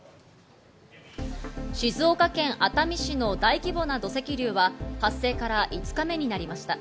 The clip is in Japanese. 静岡県熱海市の大規模な土石流は発生から５日目になりました。